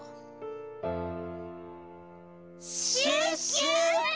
シュッシュ！